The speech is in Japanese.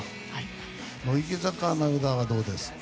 乃木坂の与田はどうですか？